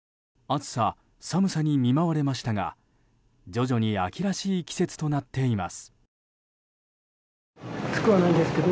暑さ、寒さに見舞われましたが徐々に秋らしい季節となっています。